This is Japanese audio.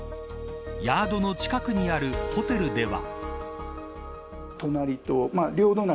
ヤードの近くにあるホテルでは。